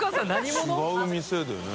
違う店でね。